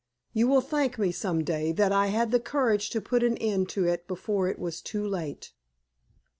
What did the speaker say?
You will thank me some day that I had the courage to put an end to it before it was too late."